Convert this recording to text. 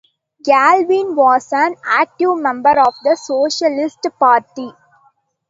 Galvin was an active member of the Socialist Party.